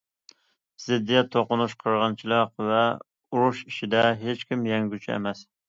زىددىيەت، توقۇنۇش، قىرغىنچىلىق، ئۇرۇش ئىچىدە ھېچكىم يەڭگۈچى ئەمەس.